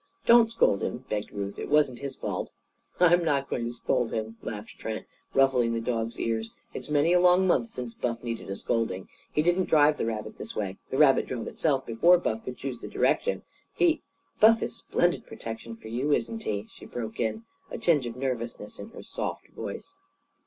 "Don't scold him!" begged Ruth. "It wasn't his fault!" "I'm not going to scold him!" laughed Trent, ruffling the dog's ears. "It's many a long month since Buff needed a scolding. He didn't drive the rabbit this way. The rabbit drove itself, before Buff could choose the direction. He " "Buff is splendid protection for you, isn't he?" she broke in, a tinge of nervousness in her soft voice.